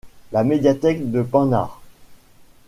La médiathèque de Penhars.